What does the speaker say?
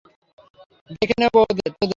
দেখে নেবো তোদের।